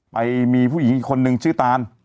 ไปมีผู้หญิงอีกคนนึงชื่อตาน